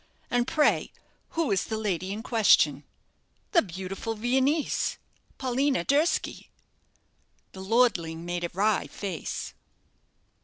And pray, who is the lady in question?" "The beautiful Viennese, Paulina Durski." The lordling made a wry face.